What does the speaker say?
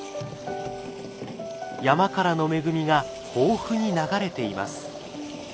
山からの恵みが豊富に流れています。